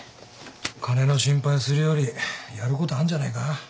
金の心配するよりやることあんじゃねえか？